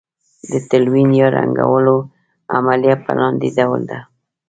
د تلوین یا رنګولو عملیه په لاندې ډول ده.